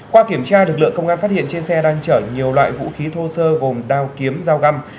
qua kiểm tra lực lượng công an phát hiện trên xe đang chở nhiều loại vũ khí thô sơ gồm đao kiếm dao găm